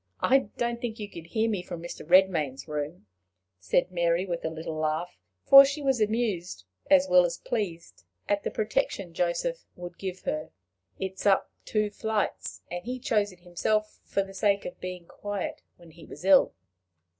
I don't think you could hear me from Mr. Redmain's room," said Mary, with a little laugh, for she was amused as well as pleased at the protection Joseph would give her; "it is up two flights, and he chose it himself for the sake of being quiet when he was ill."